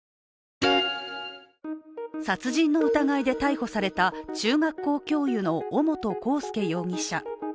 殺人の疑いで逮捕された中学校教諭の尾本幸祐容疑者。